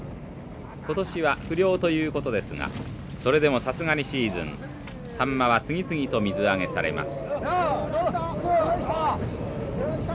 今年は不漁ということですがそれでもさすがにシーズンさんまは次々と水揚げされます。